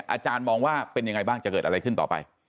อาจารย์มองว่าเป็นยังไงบ้างจะเกิดอะไรขึ้นต่อไป